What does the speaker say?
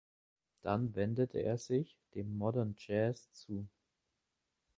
Dann wendete er sich dem Modern Jazz zu.